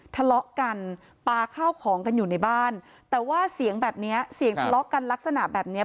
ทะเลาะกันปลาข้าวของกันอยู่ในบ้านแต่ว่าเสียงแบบเนี้ยเสียงทะเลาะกันลักษณะแบบเนี้ย